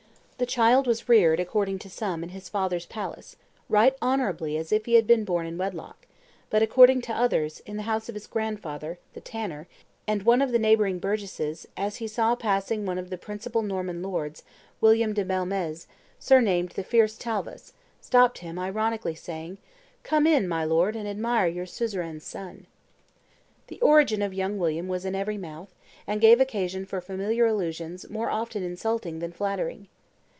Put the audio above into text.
The child was reared, according to some, in his father's palace, "right honorably as if he had been born in wedlock," but, according to others, in the house of his grandfather, the tanner; and one of the neighboring burgesses, as he saw passing one of the principal Norman lords, William de Bellesme, surnamed "The Fierce Talvas," stopped him, ironically saying, "Come in, my lord, and admire your suzerain's son." The origin of young William was in every mouth, and gave occasion for familiar allusions more often insulting than flattering.